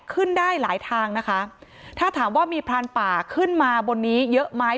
ขึ้นได้หลายทางนะคะถ้าถามว่ามีพรานป่าขึ้นมาบนนี้เยอะไหม